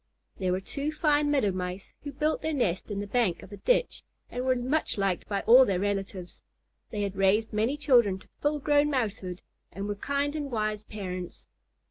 There were two fine Meadow Mice who built their nest in the bank of a ditch and were much liked by all their relatives. They had raised many children to full grown Mousehood, and were kind and wise parents.